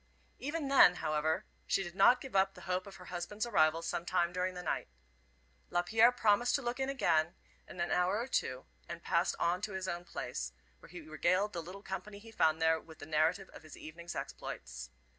Even then, however, she did not give up the hope of her husband's arrival sometime during the night. Lapierre promised to look in again in an hour or two, and passed on to his own place, where he regaled the little company he found there with the narrative of his evening's exploits.